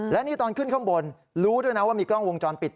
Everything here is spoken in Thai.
และนี่ตอนขึ้นข้างบนรู้ด้วยนะว่ามีกล้องวงจรปิด